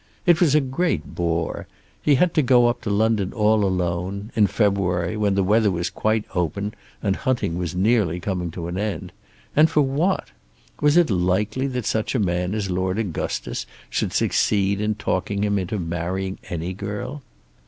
It was a great bore. He had to go up to London all alone, in February, when the weather was quite open and hunting was nearly coming to an end. And for what? Was it likely that such a man as Lord Augustus should succeed in talking him into marrying any girl?